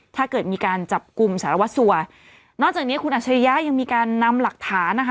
ถ้าเกิดมีการจับกลุ่มสารวัสสัวนอกจากนี้คุณอัชริยะยังมีการนำหลักฐานนะคะ